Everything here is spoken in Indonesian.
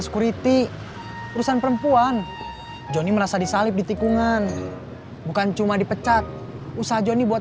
security urusan perempuan joni merasa disalip di tikungan bukan cuma dipecat usaha johnny buat